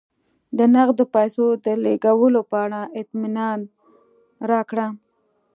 د نغدو پیسو د لېږلو په اړه اطمینان راکړه